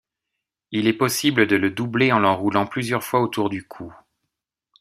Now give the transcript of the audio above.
Il est possible de le doubler en l'enroulant plusieurs fois autour du cou.